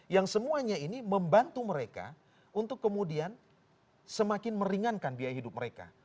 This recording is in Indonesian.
yang semuanya ini membantu mereka untuk kemudian semakin meringankan biaya hidup mereka